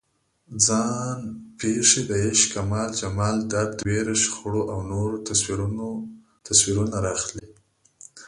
ځان پېښې د عشق، کمال، جمال، درد، ویر، شخړو او نورو تصویرونه راخلي.